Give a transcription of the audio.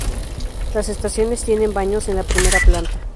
Las estaciones tienen baños en la primera planta.